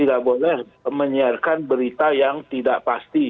tidak boleh menyiarkan berita yang tidak pasti